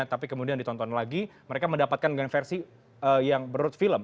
tapi kemudian ditonton lagi mereka mendapatkan dengan versi yang berurut film